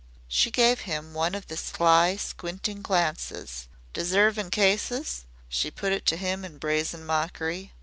She gave him one of the sly, squinting glances. "Deservin' cases?" She put it to him in brazen mockery.